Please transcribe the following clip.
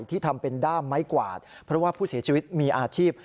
ทำเป็นด้ามไม้กวาดเพราะว่าผู้เสียชีวิตมีอาชีพ